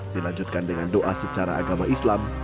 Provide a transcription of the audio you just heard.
dilanjutkan dengan doa secara agama islam